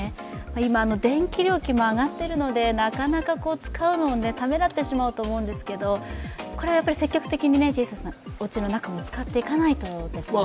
今、電気料金も上がっているのでなかなか使うのをためらってしまうと思うんですけど、積極的におうちの中でも使っていかないとですよね。